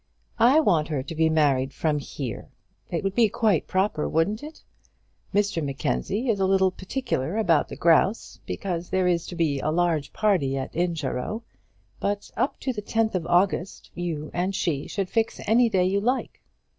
"I want her to be married from here. It would be quite proper; wouldn't it? Mr Mackenzie is a little particular about the grouse, because there is to be a large party at Incharrow; but up to the 10th of August you and she should fix any day you like."